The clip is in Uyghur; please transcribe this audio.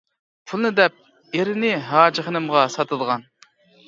پۇلنى دەپ ئېرىنى ھاجى خېنىمغا ساتىدىغان!